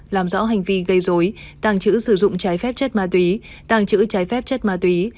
làm rõ hành vi gây dối tàng trữ sử dụng trái phép chất ma túy tàng trữ trái phép chất ma túy